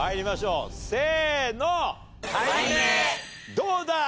どうだ？